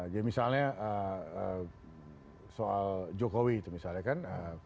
jadi misalnya soal jokowi itu misalnya kan